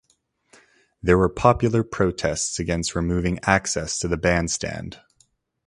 There were popular protests against removing access to the bandstand.